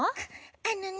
あのね